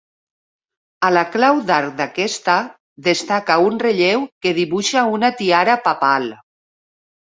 A la clau d'arc d'aquesta, destaca un relleu que dibuixa una tiara papal.